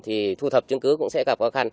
thì thu thập chứng cứ cũng sẽ gặp khó khăn